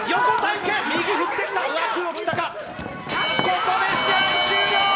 ここで試合終了。